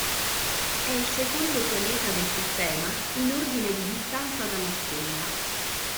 È il secondo pianeta del sistema in ordine di distanza dalla stella.